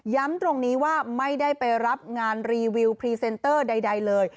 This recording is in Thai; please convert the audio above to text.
ตรงนี้ว่าไม่ได้ไปรับงานรีวิวพรีเซนเตอร์ใดเลย